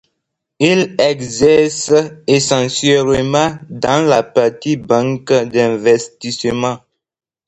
Il exerce essentiellement dans la partie Banque d'investissement.